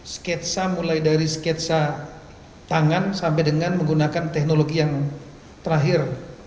sketsa mulai dari sketsa tangan sampai dengan menggunakan teknologi yang terakhir